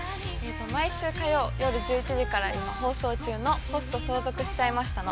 毎週火曜２３時から放送の「ホスト相続しちゃいました」の